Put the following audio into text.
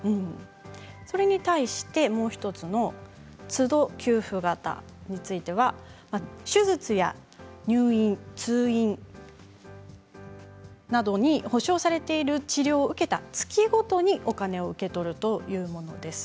それに対して、もう１つの都度給付型については手術や入院、通院などに保障されている治療を受けた月ごとにお金を受け取るというものです。